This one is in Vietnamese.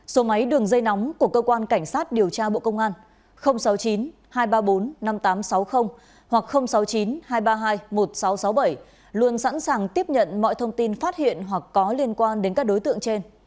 số máy đường dây nóng của cơ quan cảnh sát điều tra bộ công an sáu mươi chín hai trăm ba mươi bốn năm nghìn tám trăm sáu mươi hoặc sáu mươi chín hai trăm ba mươi hai một nghìn sáu trăm sáu mươi bảy luôn sẵn sàng tiếp nhận mọi thông tin phát hiện hoặc có liên quan đến các đối tượng trên